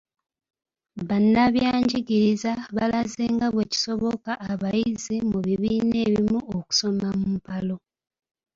Bannabyanjigiriza balaze nga bwe kisoboka abayizi mu bibiina ebimu okusoma mu mpalo.